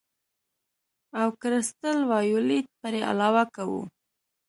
اول کرسټل وایولېټ پرې علاوه کوو.